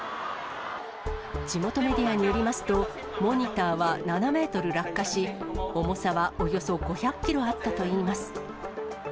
地元メディアによりますと、モニターは７メートル落下し、重さはおよそ５００キロあったといいます。